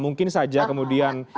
mungkin saja kemudian